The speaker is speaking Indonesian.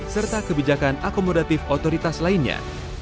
serta kebijakan akomodatif otoritas lainnya